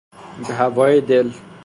به هوای دل